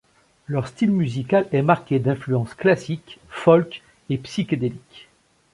Leur style musical est marqué d'influences classiques, folks et psychédéliques.